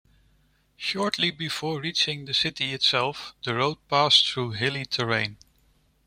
Shortly before reaching the city itself the road passed through hilly terrain.